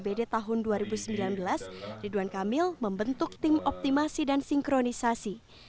bpd tahun dua ribu sembilan belas ridwan kamil membentuk tim optimasi dan sinkronisasi